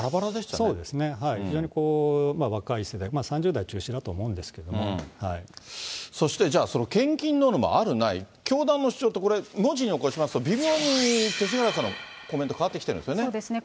非常に若い世代、３０代中心そしてじゃあ、その献金ノルマ、ある、ない、教団の主張って、文字に起こしますと、微妙に勅使河原さんのコメント、変わってきてるんですよね。